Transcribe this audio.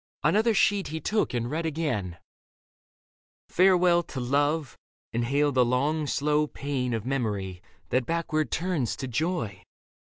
Another sheet he took and read again. Farewell to love, and hail the long, slow pain Of memory that backward turns to joy.